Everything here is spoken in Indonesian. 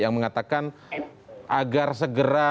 yang mengatakan agar segera